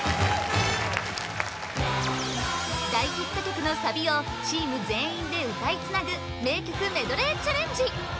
大ヒット曲のサビをチーム全員で歌いつなぐ名曲メドレーチャレンジ！